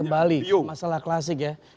kembali masalah klasik ya